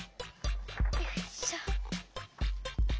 よいしょ。